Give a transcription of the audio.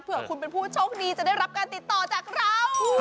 เพื่อคุณเป็นผู้โชคดีจะได้รับการติดต่อจากเรา